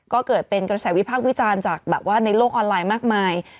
ก็เกิดเป็นกระแสวิพากษ์วิจารณ์จากแบบว่าในโลกออนไลน์มากมาย